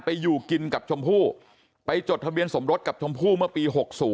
อยู่กินกับชมพู่ไปจดทะเบียนสมรสกับชมพู่เมื่อปี๖๐